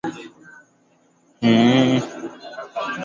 zinaomba ziuungwe mkono naa jumuiya ya kimataifa lakini pia